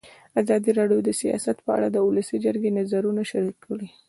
ازادي راډیو د سیاست په اړه د ولسي جرګې نظرونه شریک کړي.